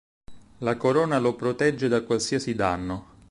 La corona lo protegge da qualsiasi danno.